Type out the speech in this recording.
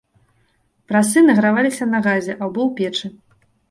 Прасы награваліся на газе або ў печы.